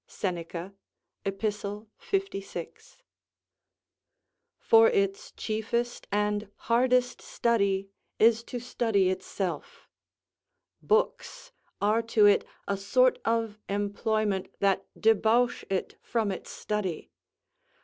Seneca, Ep. 56.] for its chiefest and hardest study is to study itself. Books are to it a sort of employment that debauch it from its study.